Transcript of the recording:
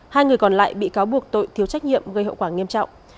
hai người còn lại bị cáo buộc tội thiếu trách nhiệm gây hậu quả nghiêm trọng